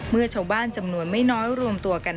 เมื่อชาวบ้านจำนวนไม่น้อยรวมตัวกัน